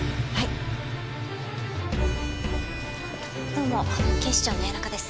どうも警視庁の谷中です。